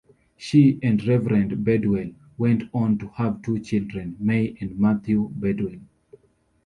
She and Reverend Bedwell went on to have two children, May and Matthew Bedwell.